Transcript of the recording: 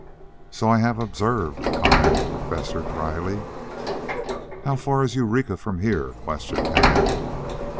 "So I have observed," commented the Professor dryly. "How far is Eureka from here?" questioned Tad.